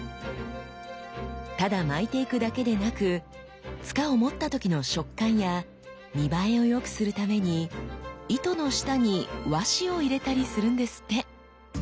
ただ巻いていくだけでなく柄を持った時の触感や見栄えを良くするために糸の下に和紙を入れたりするんですって。